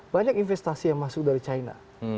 banyak investasi yang masuk dari china